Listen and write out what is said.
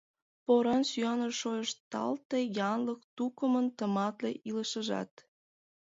Поран сӱанеш шойышталте янлык тукымын тыматле илышыжат.